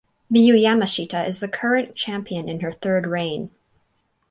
Miyu Yamashita is the current champion in her third reign.